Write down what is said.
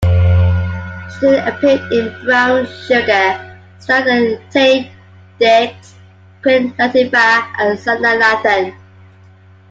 She then appeared in "Brown Sugar" starring Taye Diggs, Queen Latifah and Sanaa Lathan.